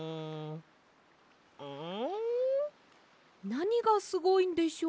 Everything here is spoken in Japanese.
なにがすごいんでしょう？